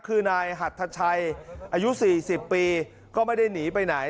คือนายหัดทัชชัยอายุสี่สิบปีก็ไม่ได้หนีไปไหน